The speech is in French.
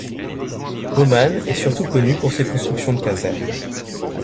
Boman est surtout connu pour ses constructions de casernes.